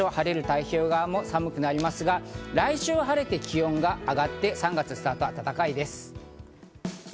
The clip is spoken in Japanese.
太平洋側も寒くなりますが来週、晴れて気温が上がって３月スタートは暖かいです。